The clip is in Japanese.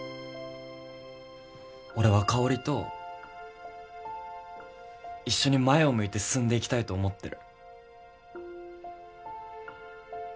俺は香と一緒に前を向いて進んでいきたいと思ってる。